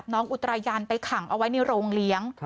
อุตรายันไปขังเอาไว้ในโรงเลี้ยง